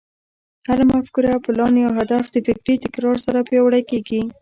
هره مفکوره، پلان، يا هدف د فکري تکرار سره پياوړی کېږي.